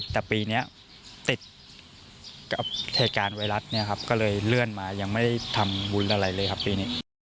แต่ปีนี้ติดกับเหตุการณ์ไวรัสเนี่ยครับก็เลยเลื่อนมายังไม่ได้ทำบุญอะไรเลยครับปีนี้